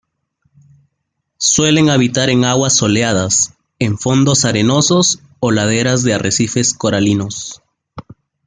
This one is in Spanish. Suelen habitar en aguas soleadas, en fondos arenosos o laderas de arrecifes coralinos.